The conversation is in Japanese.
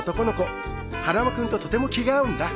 花輪君ととても気が合うんだ。